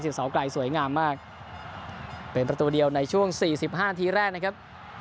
เสาไกลสวยงามมากเป็นประตูเดียวในช่วงสี่สิบห้านาทีแรกนะครับ